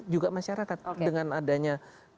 juga masyarakat dengan adanya